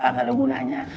gak ada gunanya